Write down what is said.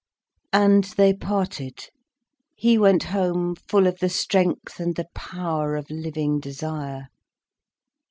And they parted. He went home full of the strength and the power of living desire.